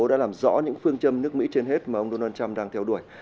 đã làm rõ những phương châm nước mỹ trên hết mà ông donald trump đang theo đuổi